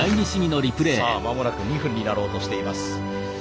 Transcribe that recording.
さあ間もなく２分になろうとしています。